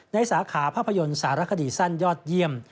สาขาภาพยนตร์สารคดีสั้นยอดเยี่ยม